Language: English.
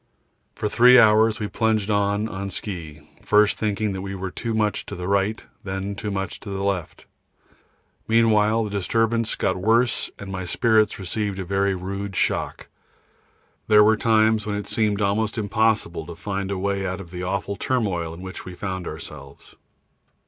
For three hours we plunged on on ski, first thinking we were too much to the right, then too much to the left; meanwhile the disturbance got worse and my spirits received a very rude shock. There were times when it seemed almost impossible to find a way out of the awful turmoil in which we found ourselves.